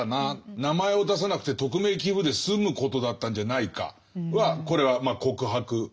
名前を出さなくて匿名寄付で済むことだったんじゃないかはこれは告白ですよね。